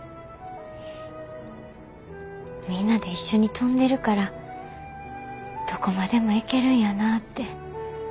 みんなで一緒に飛んでるからどこまでも行けるんやなって。